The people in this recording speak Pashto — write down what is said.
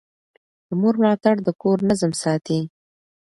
د مور ملاتړ د کور نظم ساتي.